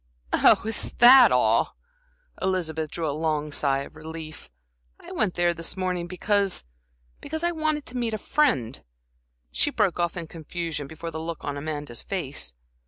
"Oh, is that all?" Elizabeth drew a long sigh of relief. "I went there this morning because because I wanted to meet a friend" she broke off in confusion before the look on Amanda's face.